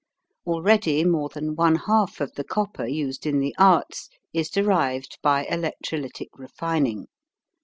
Already more than one half of the copper used in the arts is derived by electrolytic refining.